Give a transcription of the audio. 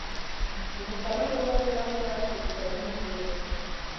د مختلفو ورځو له پاره پوسټرونه جوړوي.